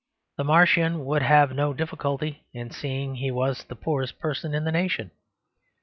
The Martian would have no difficulty in seeing he was the poorest person in the nation.